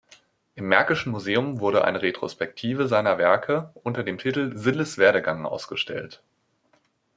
Im Märkischen Museum wurde eine Retrospektive seiner Werke unter dem Titel „Zilles Werdegang“ ausgestellt.